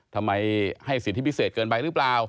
ทำไมให้สิทธิพิเศษเกินไปหรือเปล่า